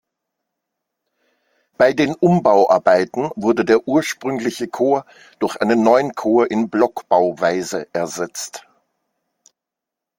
Bei den Umbauarbeiten wurde der ursprüngliche Chor durch einen neuen Chor in Blockbauweise ersetzt.